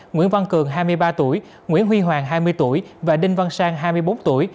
nguyễn văn cường hai mươi ba tuổi nguyễn huy hoàng hai mươi tuổi và đinh văn sang hai mươi bốn tuổi